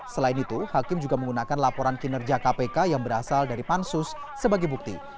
selain itu hakim juga menggunakan laporan kinerja kpk yang berasal dari pansus sebagai bukti